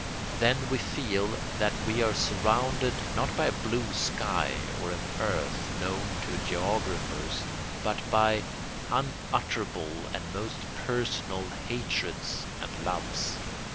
Then we feel that we are surrounded not by a blue sky or an earth known to geographers but by unutterable and most personal hatreds and loves.